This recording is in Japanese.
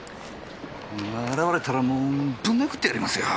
現れたらもうブン殴ってやりますよ。